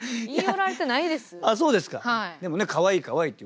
そうですか。